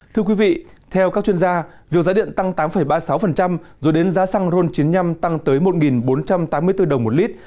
thưa quý vị theo các chuyên gia việc giá điện tăng tám ba mươi sáu rồi đến giá xăng ron chín mươi năm tăng tới một bốn trăm tám mươi bốn đồng một lít